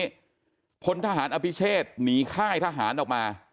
วันนี้พลทหารอภิเชษหนีค่ายทหารออกมา